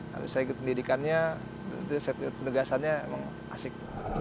habis saya ikut pendidikannya penegasannya emang asik